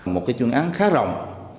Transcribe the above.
một cái chuyên án khá rộng